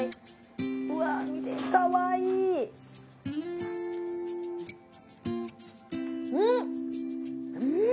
うわあ見てかわいいうんうーん！